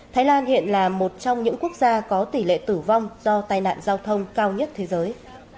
thái lan hiện là một trong những quốc gia có tỷ lệ tử vong do tai nạn giao thông cao nhất thế giới